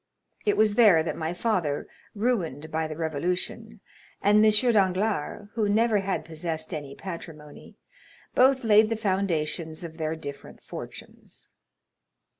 It was there that my father, ruined by the revolution, and M. Danglars, who never had possessed any patrimony, both laid the foundations of their different fortunes."